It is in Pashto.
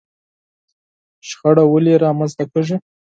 شخړه ولې رامنځته کېږي؟